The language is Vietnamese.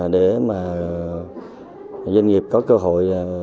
để mà doanh nghiệp có cơ hội